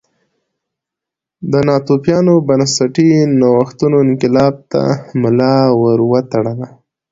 د ناتوفیانو بنسټي نوښتونو انقلاب ته ملا ور وتړله